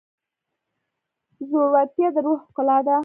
زړورتیا د روح ښکلا ده.